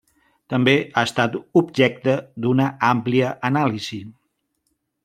També ha estat objecte d'una àmplia anàlisi.